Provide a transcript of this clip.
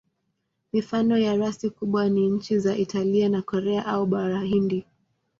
Mifano ya rasi kubwa ni nchi za Italia na Korea au Bara Hindi.